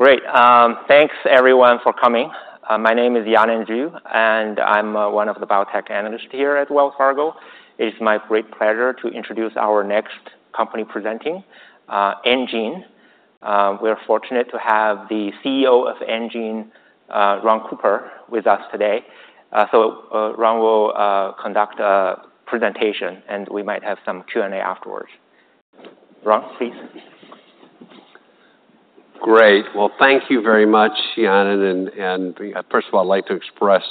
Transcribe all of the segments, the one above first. Great. Thanks everyone for coming. My name is Yanan Zhu, and I'm one of the biotech analysts here at Wells Fargo. It's my great pleasure to introduce our next company presenting, enGene. We're fortunate to have the CEO of enGene, Ron Cooper, with us today. Ron will conduct a presentation, and we might have some Q&A afterwards. Ron, please. Great. Thank you very much, Yanan, and first of all, I'd like to express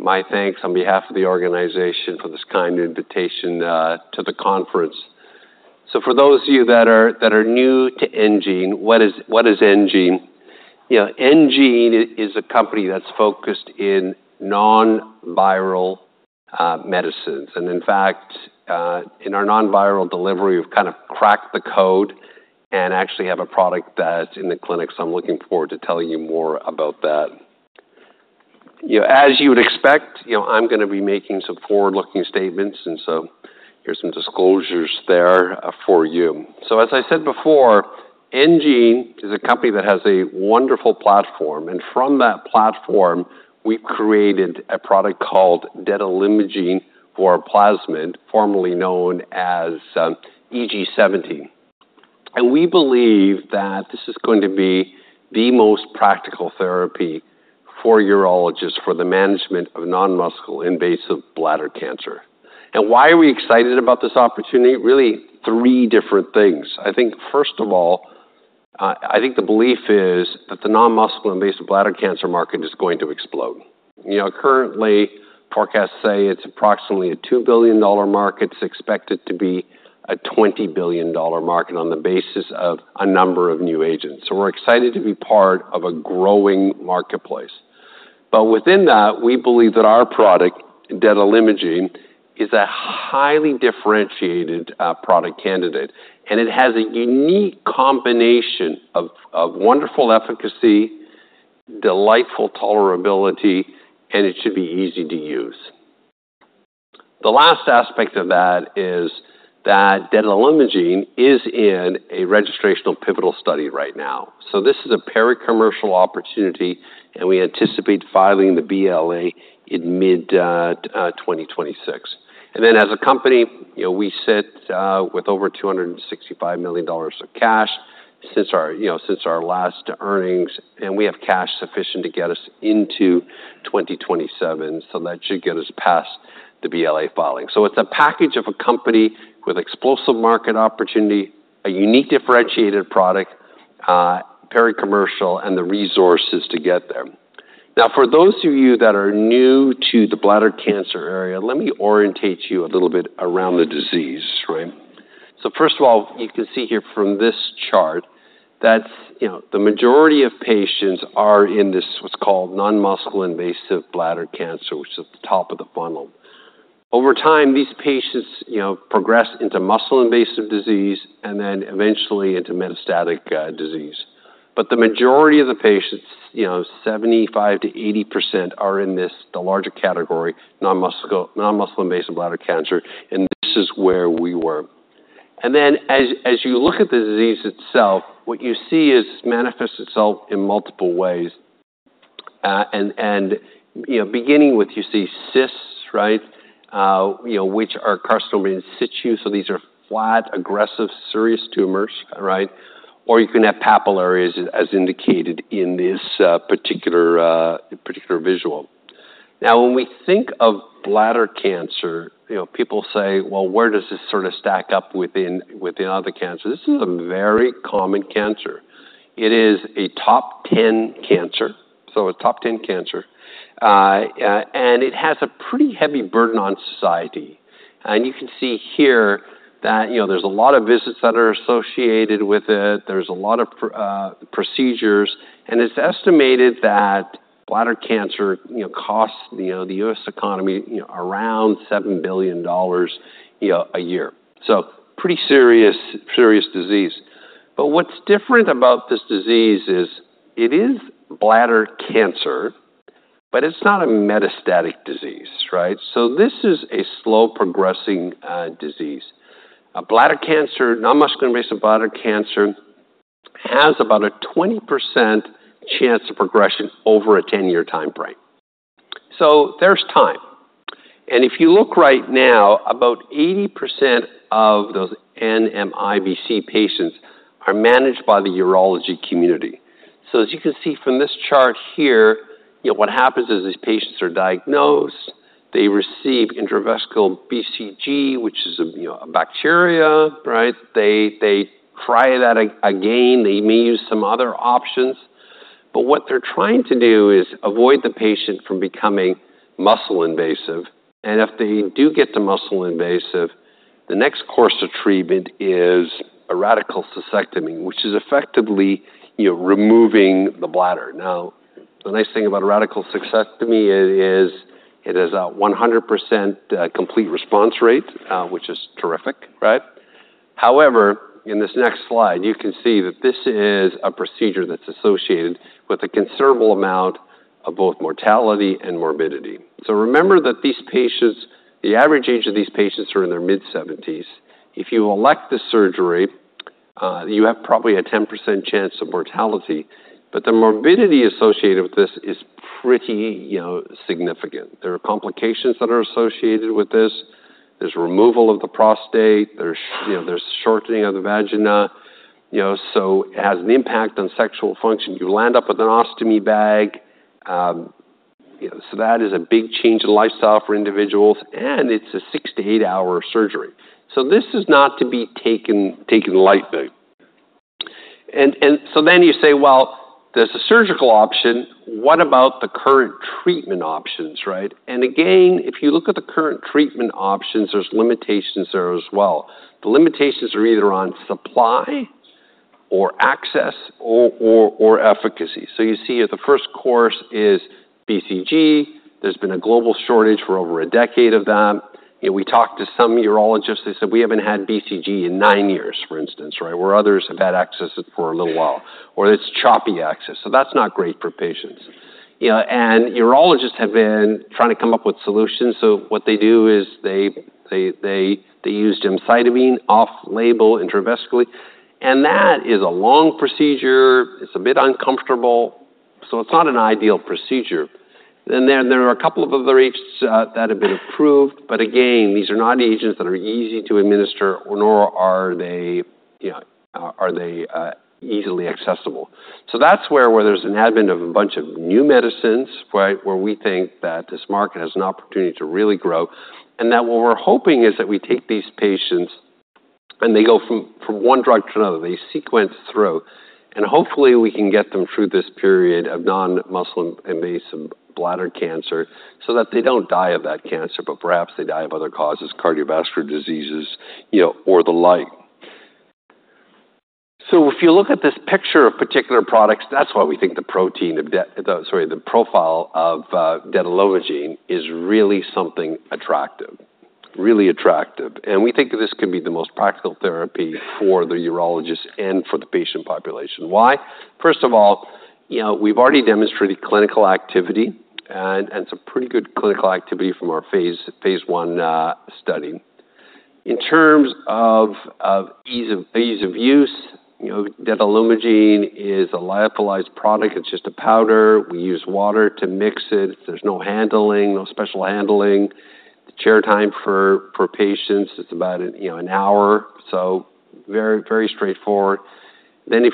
my thanks on behalf of the organization for this kind invitation to the conference. For those of you that are new to enGene, what is enGene? You know, enGene is a company that's focused in non-viral medicines. In fact, in our non-viral delivery, we've kind of cracked the code and actually have a product that's in the clinic, so I'm looking forward to telling you more about that. You know, as you would expect, you know, I'm gonna be making some forward-looking statements, and here's some disclosures there for you. As I said before, enGene is a company that has a wonderful platform, and from that platform, we've created a product called detalimogene voraplasmid, formerly known as EG-70. We believe that this is going to be the most practical therapy for urologists for the management of non-muscle invasive bladder cancer. Why are we excited about this opportunity? Really, three different things. First of all, I think the belief is that the non-muscle invasive bladder cancer market is going to explode. You know, currently, forecasts say it's approximately a $2 billion market, expected to be a $20 billion market on the basis of a number of new agents. We're excited to be part of a growing marketplace. Within that, we believe that our product, detalimogene voraplasmid, is a highly differentiated product candidate, and it has a unique combination of wonderful efficacy, delightful tolerability, and it should be easy to use. The last aspect of that is that detalimogene voraplasmid is in a registrational pivotal study right now. This is a peri-commercial opportunity, and we anticipate filing the BLA in mid twenty twenty-six. As a company, you know, we sit with over $265 million of cash since our, you know, since our last earnings, and we have cash sufficient to get us into twenty twenty-seven, so that should get us past the BLA filing. It is a package of a company with explosive market opportunity, a unique differentiated product, very commercial, and the resources to get there. Now, for those of you that are new to the bladder cancer area, let me orientate you a little bit around the disease, right? First of all, you can see here from this chart that, you know, the majority of patients are in this, what's called non-muscle invasive bladder cancer, which is at the top of the funnel. Over time, these patients, you know, progress into muscle-invasive disease and then eventually into metastatic disease. The majority of the patients, you know, 75%-80% are in this, the larger category, non-muscle invasive bladder cancer, and this is where we were. As you look at the disease itself, what you see is it manifests itself in multiple ways. You know, beginning with, you see CIS, right? You know, which are carcinoma in situ, so these are flat, aggressive, serious tumors, all right? Or you can have papillary, as indicated in this particular visual. Now, when we think of bladder cancer, you know, people say, "Where does this sort of stack up within, within other cancers?" This is a very common cancer. It is a top ten cancer, so a top ten cancer. And it has a pretty heavy burden on society. You can see here that, you know, there's a lot of visits that are associated with it. There's a lot of procedures, and it's estimated that bladder cancer, you know, costs, you know, the U.S. economy, you know, around $7 billion a year. Pretty serious, serious disease. What's different about this disease is it is bladder cancer, but it's not a metastatic disease, right? This is a slow-progressing disease. Bladder cancer, non-muscle invasive bladder cancer, has about a 20% chance of progression over a 10-year time frame. There's time, and if you look right now, about 80% of those NMIBC patients are managed by the urology community. As you can see from this chart here, you know, what happens is these patients are diagnosed, they receive intravesical BCG, which is a, you know, a bacteria, right? They try that again, they may use some other options. What they're trying to do is avoid the patient from becoming muscle invasive, and if they do get to muscle invasive, the next course of treatment is a radical cystectomy, which is effectively, you know, removing the bladder. Now, the nice thing about a radical cystectomy is it is a 100% complete response rate, which is terrific, right? However, in this next slide, you can see that this is a procedure that's associated with a considerable amount of both mortality and morbidity. Remember that these patients, the average age of these patients are in their mid-seventies. If you elect the surgery, you have probably a 10% chance of mortality, but the morbidity associated with this is pretty, you know, significant. There are complications that are associated with this. There's removal of the prostate. There's, you know, there's shortening of the vagina. You know, so it has an impact on sexual function. You land up with an ostomy bag. You know, so that is a big change in lifestyle for individuals, and it's a six to eight-hour surgery. This is not to be taken, taken lightly. You say, "Well, there's a surgical option. What about the current treatment options, right?" Again, if you look at the current treatment options, there's limitations there as well. The limitations are either on supply or access or, or, or efficacy. You see at the first course is BCG. There's been a global shortage for over a decade of that. You know, we talked to some urologists, they said, "We haven't had BCG in nine years," for instance, right? Where others have had access for a little while, or it's choppy access, so that's not great for patients. You know, and urologists have been trying to come up with solutions. What they do is they use gemcitabine off-label intravesically, and that is a long procedure. It's a bit uncomfortable, so it's not an ideal procedure. There are a couple of other agents that have been approved, but again, these are not agents that are easy to administer, nor are they easily accessible. That's where there's an advent of a bunch of new medicines, right? Where we think that this market has an opportunity to really grow, and that what we're hoping is that we take these patients, and they go from, from one drug to another. They sequence through, and hopefully, we can get them through this period of non-muscle invasive bladder cancer so that they don't die of that cancer, but perhaps they die of other causes, cardiovascular diseases, you know, or the like. If you look at this picture of particular products, that's why we think the profile of detalimogene voraplasmid is really something attractive, really attractive, and we think this could be the most practical therapy for the urologist and for the patient population. Why? First of all, you know, we've already demonstrated clinical activity and, and some pretty good clinical activity from our phase one study. In terms of, of ease of, ease of use, you know, detalimogene voraplasmid is a lyophilized product. It's just a powder. We use water to mix it. There's no handling, no special handling. The chair time for, for patients, it's about, you know, an hour, so very, very straightforward. If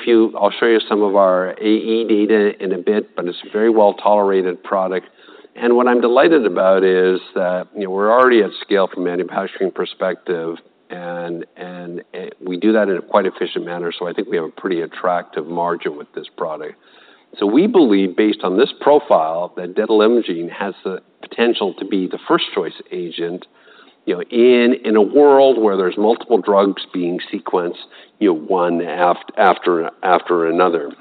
you... I'll show you some of our AE data in a bit, but it's a very well-tolerated product. What I'm delighted about is that, you know, we're already at scale from a manufacturing perspective, and we do that in a quite efficient manner, so I think we have a pretty attractive margin with this product. We believe, based on this profile, that detalimogene voraplasmid has the potential to be the first-choice agent, you know, in, in a world where there's multiple drugs being sequenced, you know, one after, after another.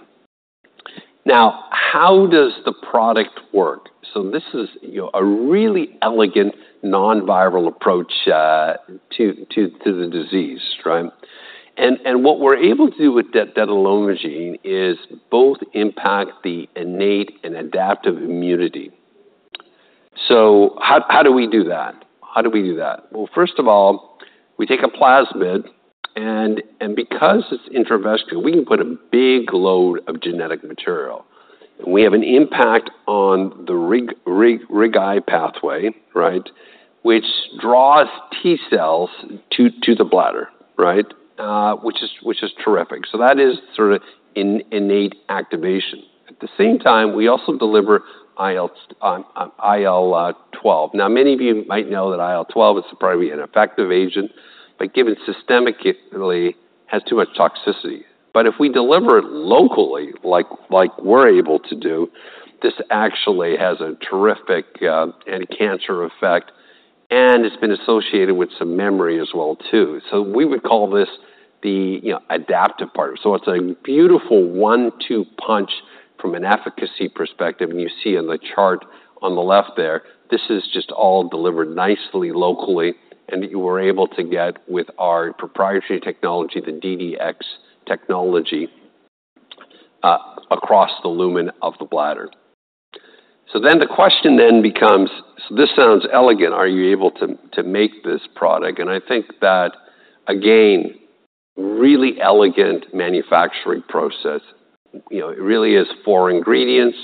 Now, how does the product work? This is, you know, a really elegant, non-viral approach to the disease, right? And what we're able to do with detalimogene voraplasmid is both impact the innate and adaptive immunity. How do we do that? How do we do that? First of all, we take a plasmid, and because it's intravesical, we can put a big load of genetic material, and we have an impact on the RIG-I pathway, right? Which draws T cells to the bladder, right? Which is terrific. That is sort of innate activation. At the same time, we also deliver IL-12. Now, many of you might know that IL-12 is probably an effective agent, but given systemically, has too much toxicity. If we deliver it locally, like we're able to do, this actually has a terrific, like, anti-cancer effect, and it's been associated with some memory as well, too. We would call this the, you know, adaptive part. It's a beautiful one-two punch from an efficacy perspective, and you see in the chart on the left there, this is just all delivered nicely locally and that you were able to get with our proprietary technology, the DDX technology, across the lumen of the bladder. The question then becomes, "This sounds elegant. Are you able to make this product?" I think that, again, really elegant manufacturing process, you know, it really is four ingredients.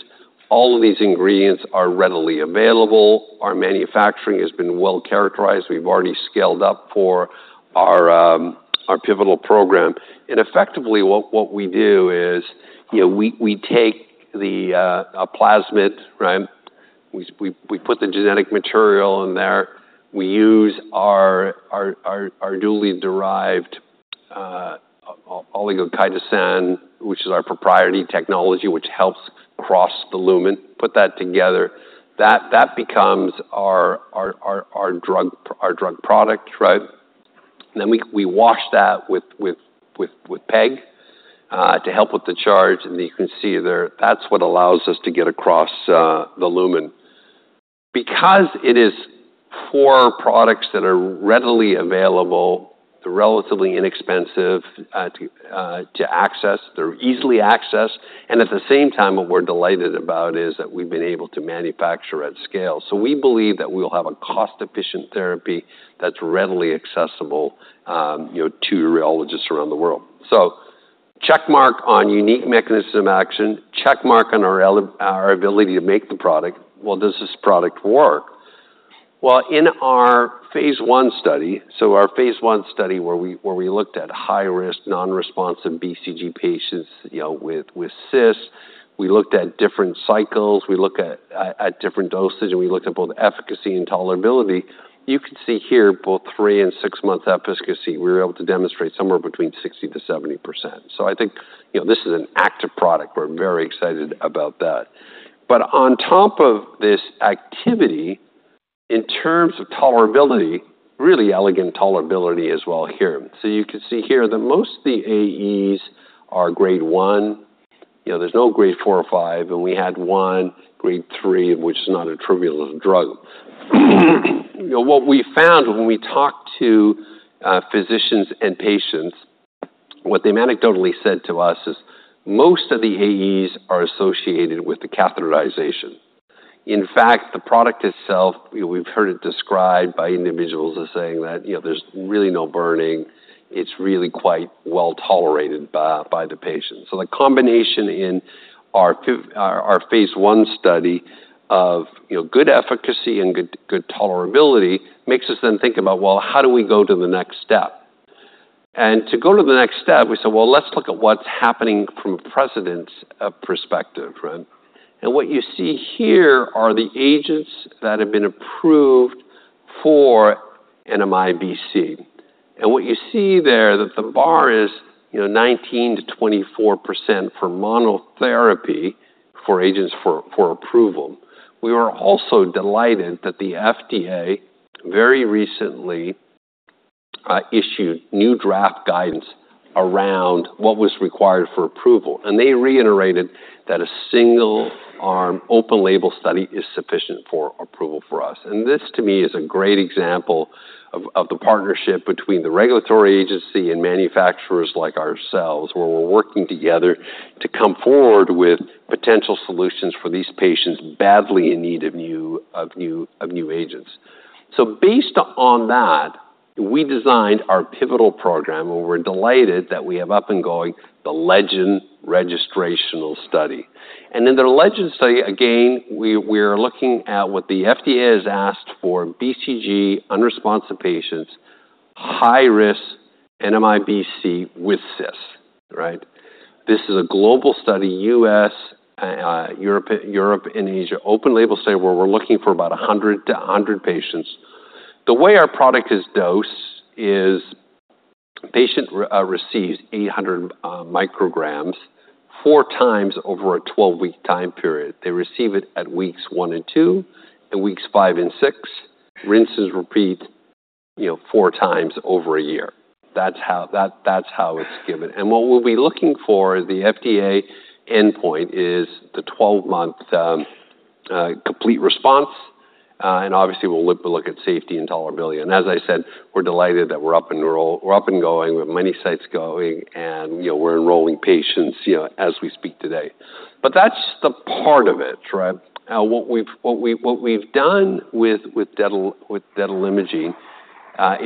All of these ingredients are readily available. Our manufacturing has been well-characterized. We've already scaled up for our pivotal program. Effectively, what we do is, you know, we take the plasmid, right? We put the genetic material in there. We use our dually derived oligochitosan, which is our proprietary technology, which helps cross the lumen. Put that together. That becomes our drug product, right? We wash that with PEG to help with the charge, and you can see there, that's what allows us to get across the lumen. Because it is four products that are readily available, they're relatively inexpensive to access, they're easily accessed, and at the same time, what we're delighted about is that we've been able to manufacture at scale. We believe that we'll have a cost-efficient therapy that's readily accessible, you know, to urologists around the world. Check mark on unique mechanism action, check mark on our ability to make the product. Does this product work? In our phase I study, our phase I study, where we looked at high-risk, non-responsive BCG patients, you know, with CIS, we looked at different cycles, we looked at different doses, and we looked at both efficacy and tolerability. You can see here both three and six-month efficacy. We were able to demonstrate somewhere between 60-70%. I think, you know, this is an active product. We're very excited about that. On top of this activity, in terms of tolerability, really elegant tolerability as well here. You can see here that most of the AEs are Grade I. You know, there's no Grade IV or V, and we had one Grade III, which is not a trivial drug. You know, what we found when we talked to, you know, physicians and patients, what they anecdotally said to us is most of the AEs are associated with the catheterization. In fact, the product itself, you know, we've heard it described by individuals as saying that, you know, there's really no burning. It's really quite well tolerated by, by the patients. The combination in our phase I study of, you know, good efficacy and good, good tolerability makes us then think about, how do we go to the next step? To go to the next step, we said, "Let's look at what's happening from a precedence perspective, right?" What you see here are the agents that have been approved for NMIBC. What you see there, that the bar is, you know, 19-24% for monotherapy for agents for, for approval. We were also delighted that the FDA very recently issued new draft guidance around what was required for approval, and they reiterated that a single arm open label study is sufficient for approval for us. This, to me, is a great example of the partnership between the regulatory agency and manufacturers like ourselves, where we're working together to come forward with potential solutions for these patients badly in need of new, of new, of new agents. Based on that, we designed our pivotal program, and we're delighted that we have up and going the LEGEND registrational study. In the LEGEND study, again, we, we're looking at what the FDA has asked for BCG unresponsive patients, high risk NMIBC with CIS, right? This is a global study, U.S., Europe, Europe, and Asia, open label study, where we're looking for about 100-100 patients. The way our product is dosed is patient receives 800 micrograms, four times over a 12-week time period. They receive it at weeks one and two, and weeks five and six, rinses, repeat, you know, four times over a year. That's how, that, that's how it's given. What we'll be looking for, the FDA endpoint, is the 12-month complete response. Obviously, we'll look at safety and tolerability. As I said, we're delighted that we're up and going. We have many sites going and, you know, we're enrolling patients, you know, as we speak today. That's the part of it, right? What we've done with detalimogene voraplasmid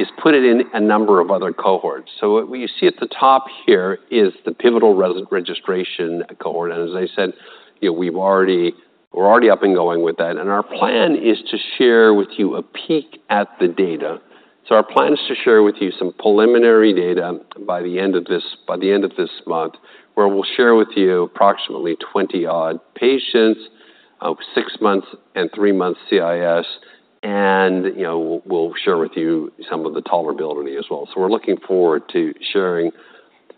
is put it in a number of other cohorts. What we see at the top here is the pivotal registration cohort. As I said, you know, we've already... we're already up and going with that, and our plan is to share with you a peek at the data. Our plan is to share with you some preliminary data by the end of this, by the end of this month, where we'll share with you approximately twenty-odd patients, six months and three months CIS, and, you know, we'll share with you some of the tolerability as well. We're looking forward to sharing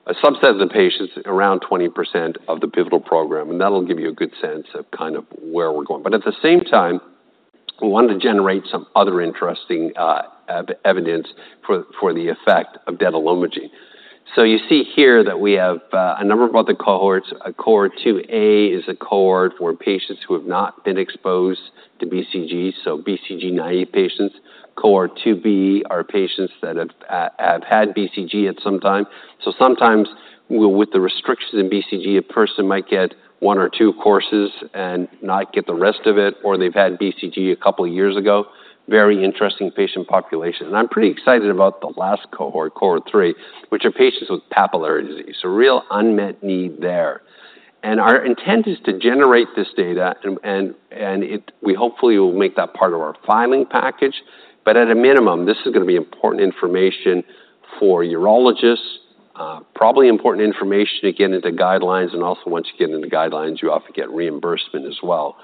a subset of the patients, around 20% of the pivotal program, and that'll give you a good sense of kind of where we're going. At the same time, we wanted to generate some other interesting evidence for the effect of detalimogene voraplasmid. You see here that we have a number of other cohorts. Cohort two A is a cohort for patients who have not been exposed to BCG, so BCG naive patients. Cohort two B are patients that have had BCG at some time. Sometimes with the restrictions in BCG, a person might get one or two courses and not get the rest of it, or they've had BCG a couple of years ago. Very interesting patient population. I'm pretty excited about the last cohort, cohort three, which are patients with papillary disease, a real unmet need there. Our intent is to generate this data, and it... we hopefully will make that part of our filing package. At a minimum, this is gonna be important information for urologists, probably important information to get into guidelines, and also once you get into guidelines, you often get reimbursement as well.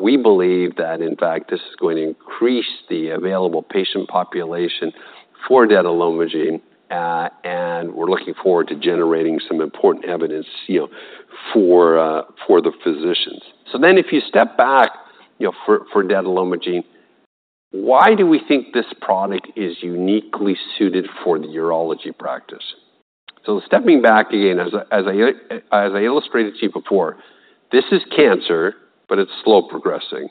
We believe that, in fact, this is going to increase the available patient population for detalimogene voraplasmid, and we're looking forward to generating some important evidence, you know, for the physicians. If you step back, you know, for detalimogene voraplasmid... Why do we think this product is uniquely suited for the urology practice? Stepping back again, as I illustrated to you before, this is cancer, but it's slow progressing.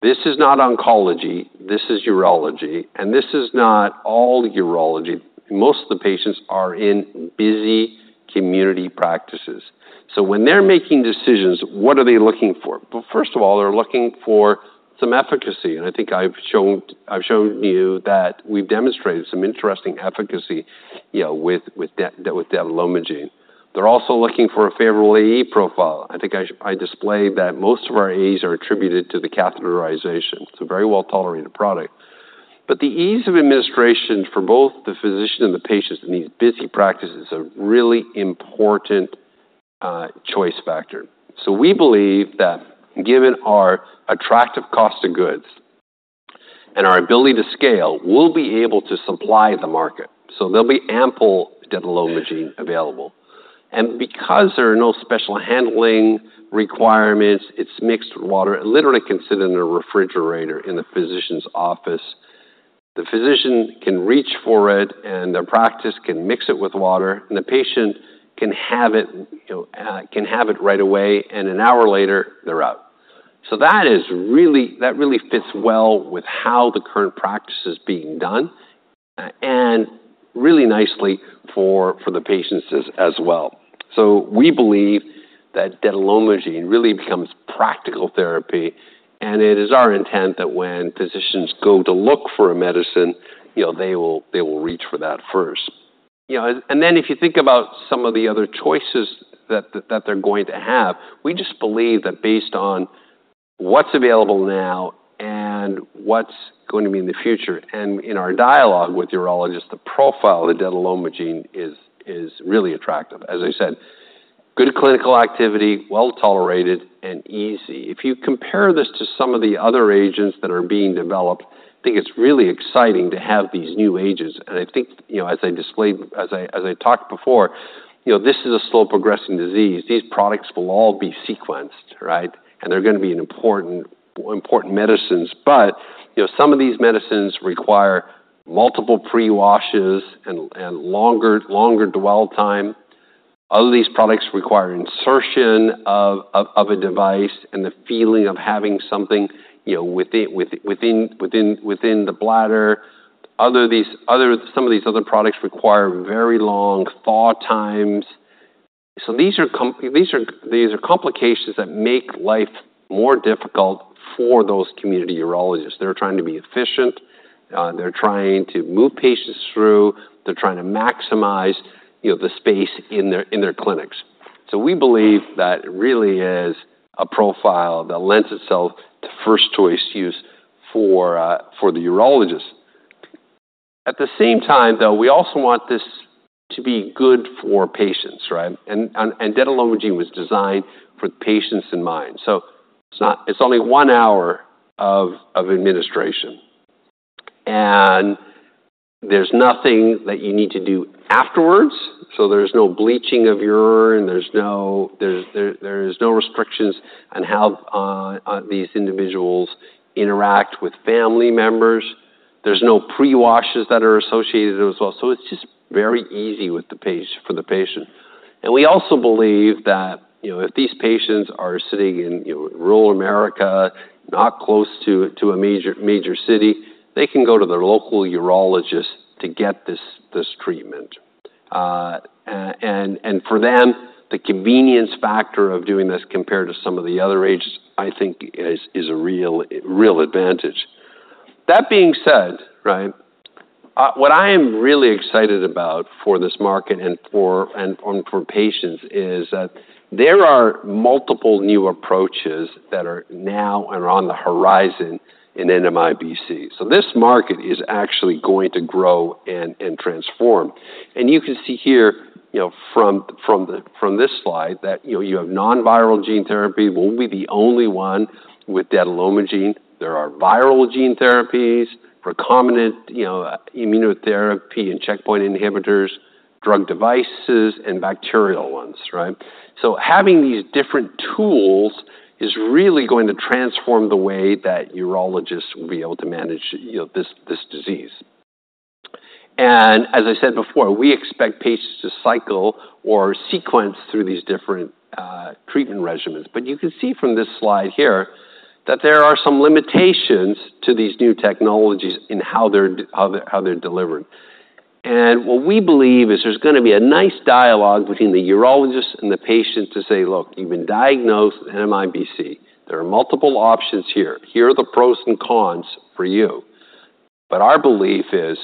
This is not oncology, this is urology, and this is not all urology. Most of the patients are in busy community practices. When they're making decisions, what are they looking for? First of all, they're looking for some efficacy, and I think I've shown, I've shown you that we've demonstrated some interesting efficacy, you know, with, with detalimogene. They're also looking for a favorable AE profile. I think I displayed that most of our AEs are attributed to the catheterization. It's a very well-tolerated product, but the ease of administration for both the physician and the patients in these busy practices is a really important, you know, choice factor. We believe that given our attractive cost of goods and our ability to scale, we'll be able to supply the market, so there'll be ample detalimogene available. Because there are no special handling requirements, it's mixed with water, it literally can sit in a refrigerator in the physician's office. The physician can reach for it, and their practice can mix it with water, and the patient can have it, you know, can have it right away, and an hour later, they're out. That really fits well with how the current practice is being done and really nicely for the patients as well. We believe that detalimogene really becomes practical therapy, and it is our intent that when physicians go to look for a medicine, you know, they will reach for that first. You know, and then if you think about some of the other choices that they're going to have, we just believe that based on what's available now and what's going to be in the future, and in our dialogue with urologists, the profile of detalimogene is really attractive. As I said, good clinical activity, well tolerated, and easy. If you compare this to some of the other agents that are being developed, I think it's really exciting to have these new agents. I think, you know, as I displayed, as I talked before, you know, this is a slow-progressing disease. These products will all be sequenced, right? They're gonna be important, important medicines. You know, some of these medicines require multiple pre-washes and longer, longer dwell time. Other of these products require insertion of a device and the feeling of having something, you know, within the bladder. Some of these other products require very long thaw times. These are complications that make life more difficult for those community urologists. They're trying to be efficient, they're trying to move patients through, they're trying to maximize, you know, the space in their, in their clinics. We believe that it really is a profile that lends itself to first choice use for the urologist. At the same time, though, we also want this to be good for patients, right? And, and detalimogene was designed with patients in mind. It's only one hour of administration, and there's nothing that you need to do afterwards. There's no bleaching of urine, there's no, there's no restrictions on how these individuals interact with family members. There's no pre-washes that are associated as well. It's just very easy with the patient, for the patient. And we also believe that, you know, if these patients are sitting in, you know, rural America, not close to, to a major, major city, they can go to their local urologist to get this, this treatment. And, and for them, the convenience factor of doing this compared to some of the other agents, I think is, is a real, real advantage. That being said, right, what I am really excited about for this market and for, and, for patients is that there are multiple new approaches that are now are on the horizon in NMIBC. This market is actually going to grow and, and transform. You can see here, you know, from, from the, from this slide that, you know, you have non-viral gene therapy, won't be the only one with detalimogene. There are viral gene therapies, recombinant, you know, immunotherapy and checkpoint inhibitors, drug devices, and bacterial ones, right? Having these different tools is really going to transform the way that urologists will be able to manage, you know, this, this disease. As I said before, we expect patients to cycle or sequence through these different treatment regimens. You can see from this slide here that there are some limitations to these new technologies in how they're delivered. What we believe is there's gonna be a nice dialogue between the urologist and the patient to say, "Look, you've been diagnosed with NMIBC. There are multiple options here. Here are the pros and cons for you. Our belief is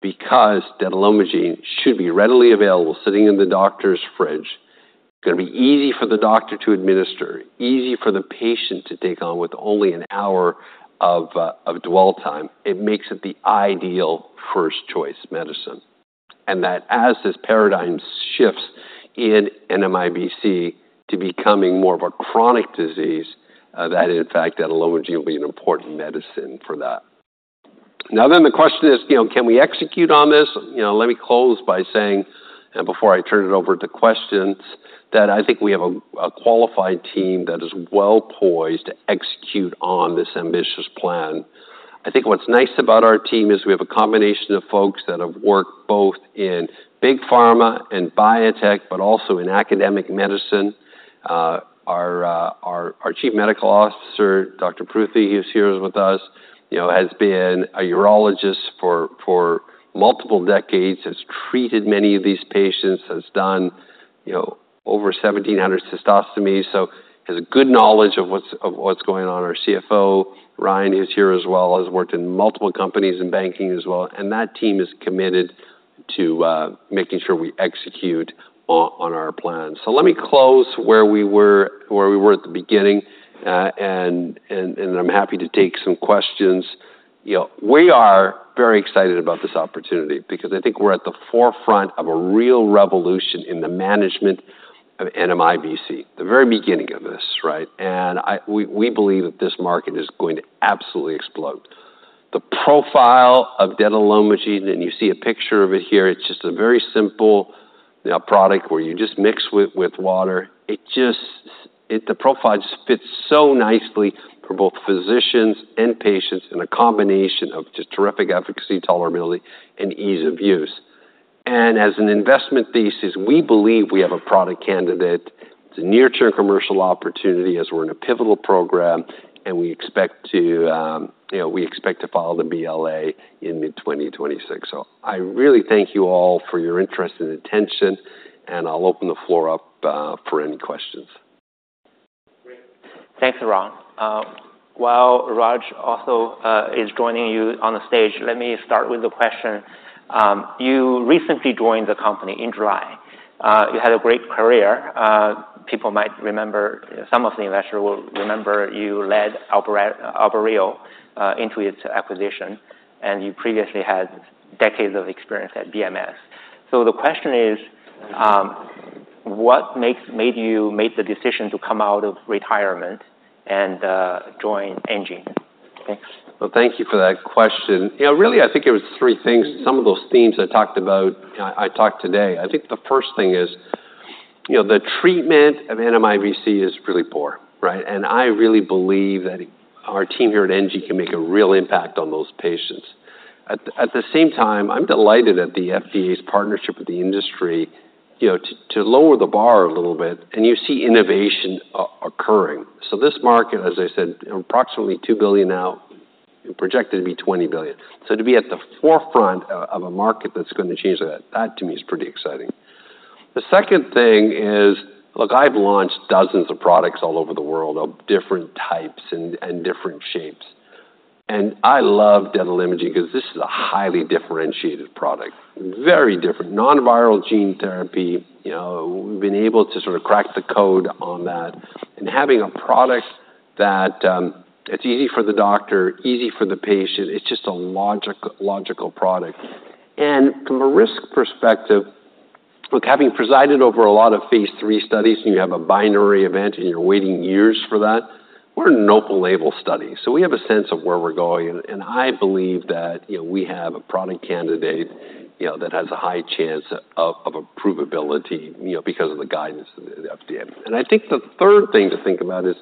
because detalimogene should be readily available, sitting in the doctor's fridge, it's gonna be easy for the doctor to administer, easy for the patient to take on with only an hour of dwell time, it makes it the ideal first-choice medicine. As this paradigm shifts in NMIBC to becoming more of a chronic disease, in fact, detalimogene will be an important medicine for that. Now, the question is, you know, can we execute on this? Let me close by saying, before I turn it over to questions, that I think we have a qualified team that is well-poised to execute on this ambitious plan. I think what's nice about our team is we have a combination of folks that have worked both in big pharma and biotech, but also in academic medicine. Our Chief Medical Officer, Dr. Pruthi, who's here with us, you know, has been a urologist for multiple decades, has treated many of these patients, has done, you know, over 1,700 cystectomies, so has a good knowledge of what's, of what's going on. Our CFO, Ryan, who's here as well, has worked in multiple companies in banking as well, and that team is committed to making sure we execute on our plan. Let me close where we were, where we were at the beginning, and I'm happy to take some questions. You know, we are very excited about this opportunity because I think we're at the forefront of a real revolution in the management of NMIBC, the very beginning of this, right? I- we, we believe that this market is going to absolutely explode. The profile of detalimogene voraplasmid, and you see a picture of it here, it's just a very simple, you know, product where you just mix with, with water. It just- the profile just fits so nicely for both physicians and patients in a combination of just terrific efficacy, tolerability, and ease of use. As an investment thesis, we believe we have a product candidate. It's a near-term commercial opportunity as we're in a pivotal program, and we expect to, you know, we expect to file the BLA in mid-2026. I really thank you all for your interest and attention, and I'll open the floor up for any questions. Great. Thanks, Ron. While Raj also is joining you on the stage, let me start with the question. You recently joined the company in July. You had a great career. People might remember, some of the investors will remember you led Albireo into its acquisition, and you previously had decades of experience at BMS. The question is, what made you make the decision to come out of retirement and join enGene? Thanks. Thank you for that question. You know, really, I think it was three things, some of those themes I talked about, I talked today. I think the first thing is, you know, the treatment of NMIBC is really poor, right? And I really believe that our team here at enGene can make a real impact on those patients. At the same time, I'm delighted at the FDA's partnership with the industry, you know, to lower the bar a little bit, and you see innovation occurring. This market, as I said, approximately $2 billion now, and projected to be $20 billion. To be at the forefront of a market that's gonna change that, that to me is pretty exciting. The second thing is... Look, I've launched dozens of products all over the world of different types and different shapes, and I love detalimogene voraplasmid because this is a highly differentiated product, very different. Non-viral gene therapy, you know, we've been able to sort of crack the code on that, and having a product that, you know, it's easy for the doctor, easy for the patient, it's just a logical product. From a risk perspective, look, having presided over a lot of phase III studies, and you have a binary event, and you're waiting years for that, we're an open-label study. We have a sense of where we're going, and I believe that, you know, we have a product candidate, you know, that has a high chance of approvability, you know, because of the guidance of the FDA. I think the third thing to think about is,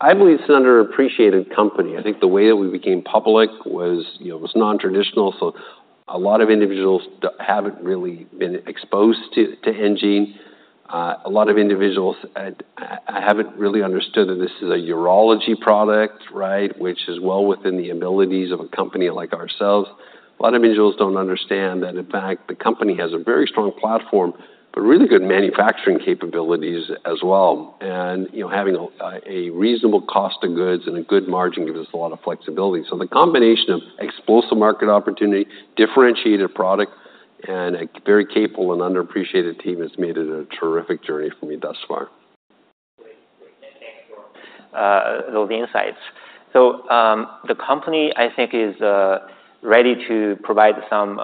I believe it's an underappreciated company. I think the way that we became public was, you know, was non-traditional, so a lot of individuals haven't really been exposed to, to enGene. A lot of individuals haven't really understood that this is a urology product, right? Which is well within the abilities of a company like ourselves. A lot of individuals don't understand that, in fact, the company has a very strong platform, but really good manufacturing capabilities as well. You know, having a reasonable cost of goods and a good margin gives us a lot of flexibility. The combination of explosive market opportunity, differentiated product, and a very capable and underappreciated team has made it a terrific journey for me thus far. Those insights. The company, I think, is ready to provide some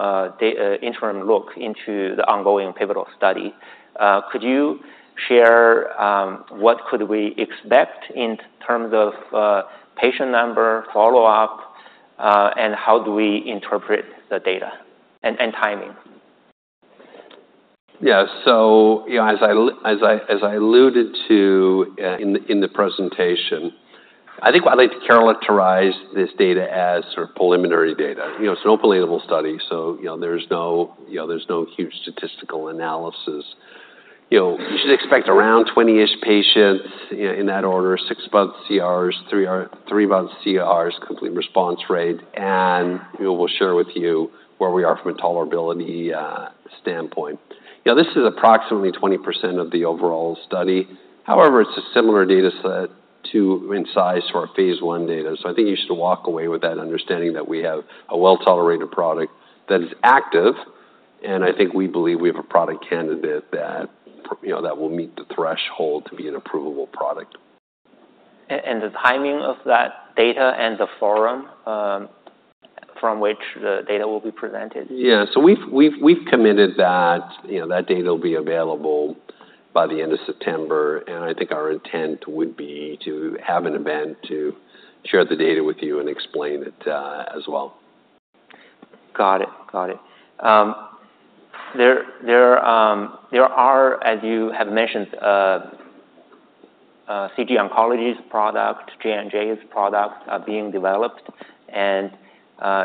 interim look into the ongoing pivotal study. Could you share what could we expect in terms of patient number, follow-up, and how do we interpret the data and timing? Yeah. As I alluded to in the presentation, I think I'd like to characterize this data as sort of preliminary data. You know, it's an open-label study, so there's no huge statistical analysis. You should expect around twenty-ish patients, in that order, six-month CRs, three-month CRs, complete response rate, and we'll share with you where we are from a tolerability standpoint. This is approximately 20% of the overall study. However, it's a similar data set in size for our phase I data. I think you should walk away with that understanding that we have a well-tolerated product that is active, and I think we believe we have a product candidate that, you know, will meet the threshold to be an approvable product. And the timing of that data and the forum, from which the data will be presented? Yeah. We've committed that, you know, that data will be available by the end of September, and I think our intent would be to have an event to share the data with you and explain it as well. Got it. Got it. There are, as you have mentioned, CG Oncology's product, J&J's product are being developed, and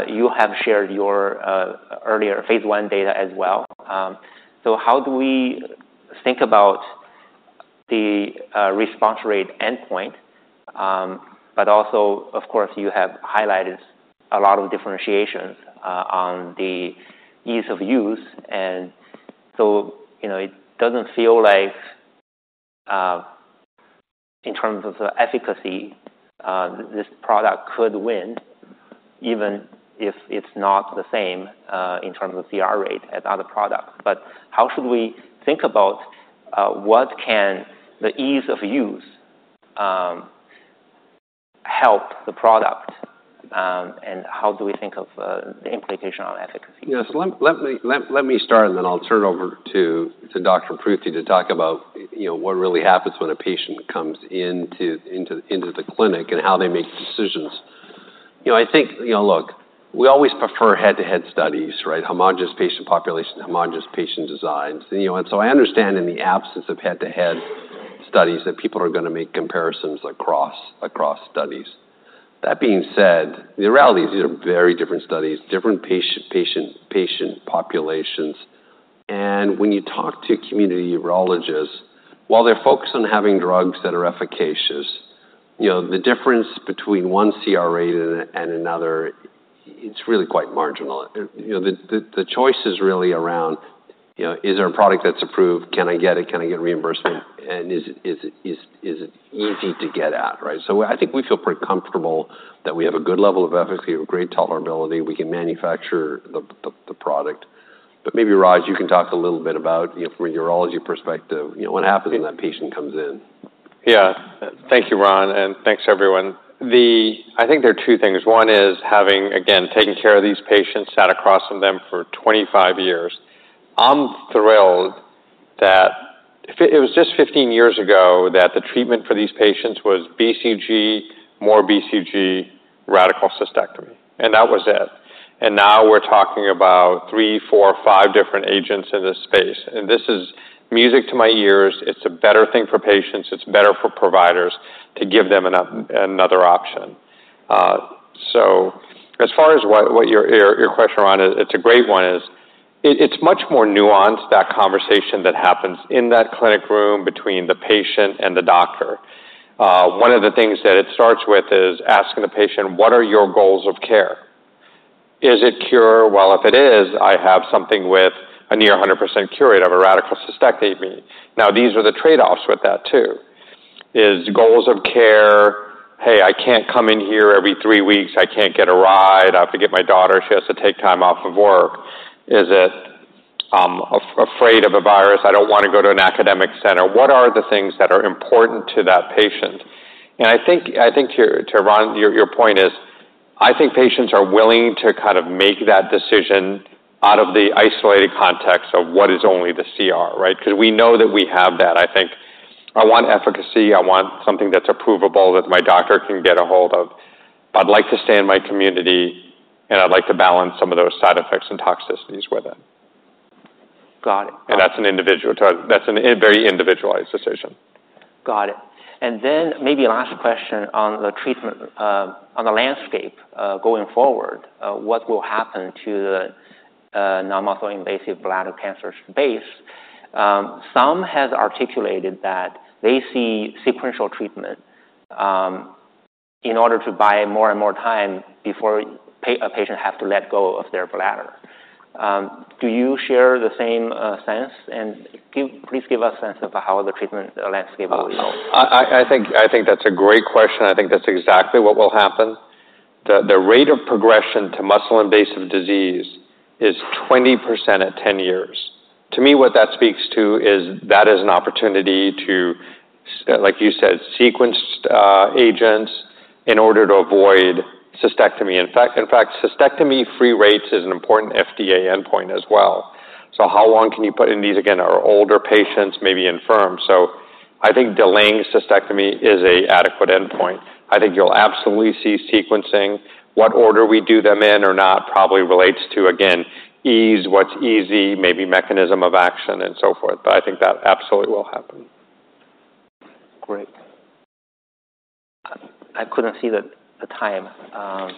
you have shared your earlier phase one data as well. How do we think about the response rate endpoint? Of course, you have highlighted a lot of differentiations on the ease of use, and so, you know, it doesn't feel like, in terms of the efficacy, this product could win, even if it's not the same in terms of CR rate as other products. How should we think about what can the ease of use help the product, and how do we think of the implication on efficacy? Yes, let me start, and then I'll turn it over to Dr. Pruthi to talk about, you know, what really happens when a patient comes into the clinic and how they make decisions. You know, I think, you know, look, we always prefer head-to-head studies, right? Homogenous patient population, homogenous patient designs. You know, I understand in the absence of head-to-head studies, that people are gonna make comparisons across studies. That being said, the reality is these are very different studies, different patient populations. You know, when you talk to community urologists, while they're focused on having drugs that are efficacious, you know, the difference between one CR rate and another, it's really quite marginal. You know, the choice is really around, you know, is there a product that's approved? Can I get it? Can I get reimbursement? Is it easy to get at, right? I think we feel pretty comfortable that we have a good level of efficacy, a great tolerability. We can manufacture the product. Maybe, Raj, you can talk a little bit about, you know, from a urology perspective, you know, what happens when that patient comes in. Yeah. Thank you, Ron, and thanks, everyone. I think there are two things. One is having, again, taken care of these patients, sat across from them for twenty-five years. I'm thrilled that it was just fifteen years ago that the treatment for these patients was BCG, more BCG, radical cystectomy, and that was it. Now we're talking about three, four, five different agents in this space, and this is music to my ears. It's a better thing for patients. It's better for providers to give them another option. As far as what your question, Ron, it's a great one, it's much more nuanced, that conversation that happens in that clinic room between the patient and the doctor. One of the things that it starts with is asking the patient: What are your goals of care? Is it cure? If it is, I have something with a near 100% cure rate of a radical cystectomy. Now, these are the trade-offs with that, too. Is goals of care, "Hey, I can't come in here every three weeks. I can't get a ride. I have to get my daughter, she has to take time off of work." Is it, afraid of a virus? "I don't want to go to an academic center." What are the things that are important to that patient? I think, I think to, to Ron, your point is, I think patients are willing to kind of make that decision out of the isolated context of what is only the CR, right? Because we know that we have that. I think I want efficacy. I want something that's approvable, that my doctor can get ahold of. I'd like to stay in my community, and I'd like to balance some of those side effects and toxicities with it. Got it. That's a very individualized decision. Got it. Maybe last question on the treatment, on the landscape, what will happen to the non-muscle invasive bladder cancer space? Some have articulated that they see sequential treatment in order to buy more and more time before a patient has to let go of their bladder. Do you share the same sense? Please give us a sense of how the treatment landscape will look. I think, I think that's a great question. I think that's exactly what will happen. The rate of progression to muscle-invasive disease is 20% at 10 years. To me, what that speaks to is that is an opportunity to, like you said, sequence agents in order to avoid cystectomy. In fact, cystectomy-free rates is an important FDA endpoint as well. How long can you put in these, again, our older patients may be infirm, so I think delaying cystectomy is a adequate endpoint. I think you'll absolutely see sequencing. What order we do them in or not probably relates to, again, ease, what's easy, maybe mechanism of action and so forth, but I think that absolutely will happen. Great. I couldn't see the time. I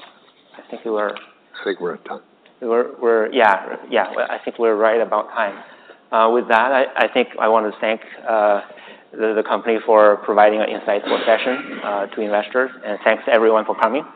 think we were- I think we're at time. We're, we're... Yeah, yeah, I think we're right about time. With that, I think I want to thank the company for providing an insightful session to investors, and thanks everyone for coming.